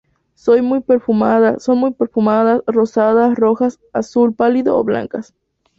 Son muy perfumadas, rosadas, rojas, azul pálido o blancas.